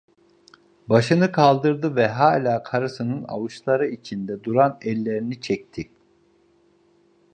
Başını kaldırdı ve hâlâ karısının avuçları içinde duran ellerini çekti.